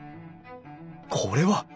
これは！